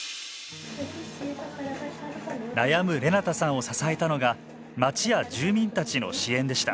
悩むレナタさんを支えたのが町や住民たちの支援でした。